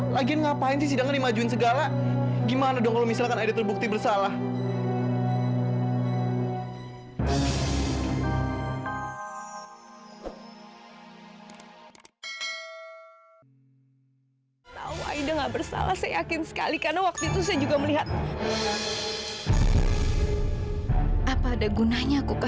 sampai jumpa di video selanjutnya